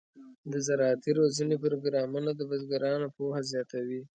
د زراعتي روزنې پروګرامونه د بزګرانو پوهه زیاتوي.